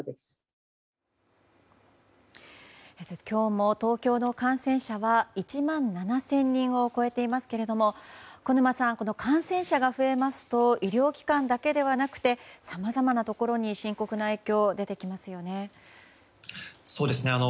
今日も東京の感染者は１万７０００人を超えていますが小沼さん、感染者が増えますと医療機関だけではなくてさまざまなところに深刻な影響出てきますよね。